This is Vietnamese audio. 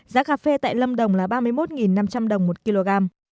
giá cà phê tại lâm đồng là ba mươi một năm trăm linh đồng một kg